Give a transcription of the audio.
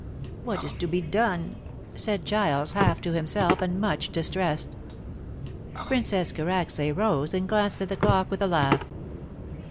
"What is to be done?" said Giles half to himself and much distressed. Princess Karacsay rose and glanced at the clock with a laugh.